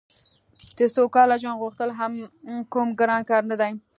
د سوکاله ژوند غوښتل هم کوم ګران کار نه دی